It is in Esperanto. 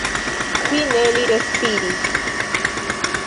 Fine li respiris.